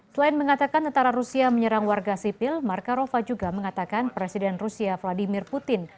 selain mengatakan tentara rusia menyerang warga sipil markarofa juga mengatakan presiden rusia vladimir putin